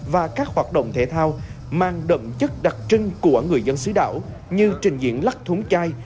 và các hoạt động thể thao mang đậm chất đặc trưng của người dân xứ đảo như trình diễn lắc thúng chai